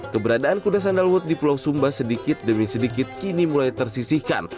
keberadaan kuda sandalwood di pulau sumba sedikit demi sedikit kini mulai tersisihkan